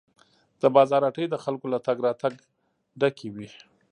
د بازار هټۍ د خلکو له تګ راتګ ډکې وې.